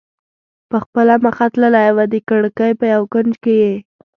په خپله مخه تللی و، د کړکۍ په یو کونج کې یې.